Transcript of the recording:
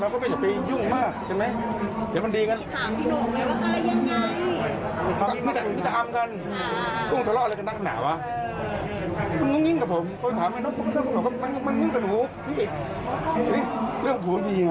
ครับ